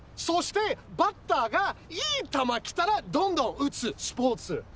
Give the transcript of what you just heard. そしてバッターがいい球来たらどんどん打つスポーツ。